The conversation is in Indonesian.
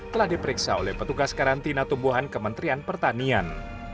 telah diperiksa oleh petugas karantina tumbuhan kementerian pertanian